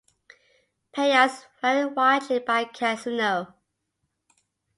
Payouts vary widely by casino.